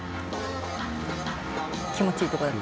気持ちいいとこだった？